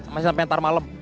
masih sampai ntar malem